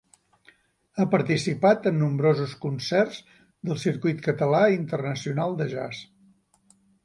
Ha participat en nombrosos concerts del circuit català i internacional de jazz.